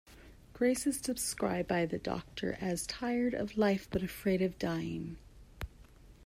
Grace is described by the Doctor as tired of life but afraid of dying.